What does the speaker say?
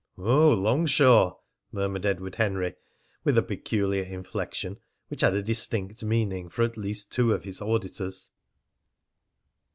"Oh, Longshaw!" murmured Edward Henry with a peculiar inflection, which had a distinct meaning for at least two of his auditors.